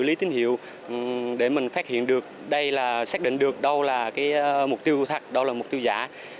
lý tín hiệu để mình phát hiện được đây là xác định được đâu là cái mục tiêu thật đâu là mục tiêu giả